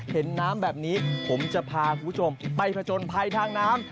เห็นน้ำแบบนี้ผมจะพาคุณผู้ชมไปผจญภัยทางน้ำ